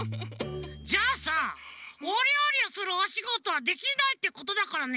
じゃあさおりょうりをするおしごとはできないってことだからね。